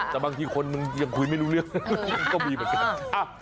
แต่บางทีคนมึงยังคุยไม่รู้เรื่องก็มีเหมือนกัน